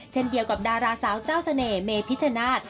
เช่นเดียวกับดาราสาวเจ้าเสน่หเมพิชนาธิ์